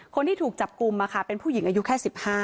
คนที่ถูกจับกลุ่มเป็นผู้หญิงอายุแค่๑๕